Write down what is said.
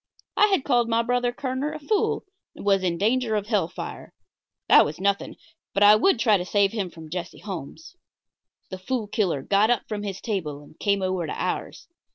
I had called my brother Kerner a fool and was in danger of hell fire. That was nothing; but I would try to save him from Jesse Holmes. The Fool Killer got up from his table and came over to ours.